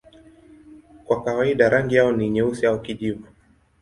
Kwa kawaida rangi yao ni nyeusi au kijivu.